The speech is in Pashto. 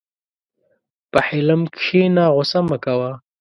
په حلم کښېنه، غوسه مه کوه.